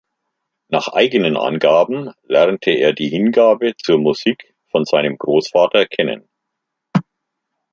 Nach eigenen Angaben lernte er die Hingabe zur Musik von seinem Großvater kennen.